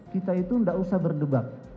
kita itu tidak usah berdebat